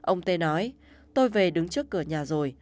ông tê nói tôi về đứng trước cửa nhà rồi